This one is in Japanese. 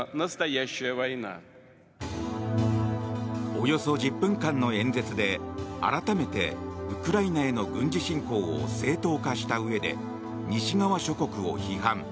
およそ１０分間の演説で改めてウクライナへの軍事侵攻を正当化したうえで西側諸国を批判。